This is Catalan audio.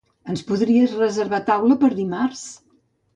Ens podries reservar taula per dimarts?